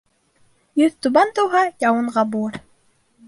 Йөҙтүбән тыуһа, яуынға булыр.